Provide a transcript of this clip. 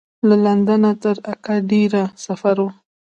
له لندنه تر اګادیره سفر و.